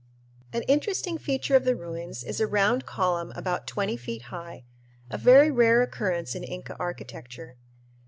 An interesting feature of the ruins is a round column about twenty feet high a very rare occurrence in Inca architecture.